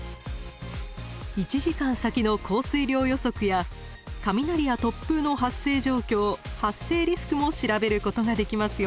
１時間先の降水量予測や雷や突風の発生状況・発生リスクも調べることができますよ。